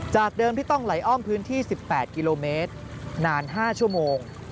จากเดิมที่ต้องไหลอ้อมพื้นที่๑๘กิโลเมตรนาน๕ชั่วโมง